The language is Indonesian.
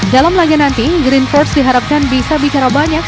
dalam laga nanti green force diharapkan bisa bicara banyak